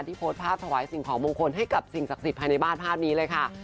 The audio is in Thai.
โพสต์ภาพถวายสิ่งของมงคลให้กับสิ่งศักดิ์สิทธิภายในบ้านภาพนี้เลยค่ะ